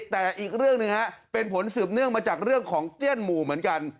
แต่อีกเรื่องหนึ่งเป็นผลสืบเนื่องมาจากเรื่องของเตี้ยนหมู่เหมือนกัน